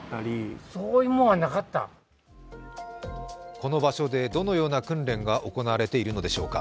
この場所でどのような訓練が行われているのでしょうか。